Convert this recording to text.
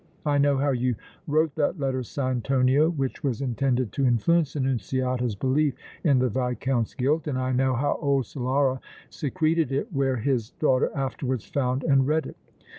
I know how you wrote that letter signed Tonio which was intended to influence Annunziata's belief in the Viscount's guilt, and I know how old Solara secreted it where his daughter afterwards found and read it!